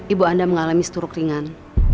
ibu anda mengalami stroke ringan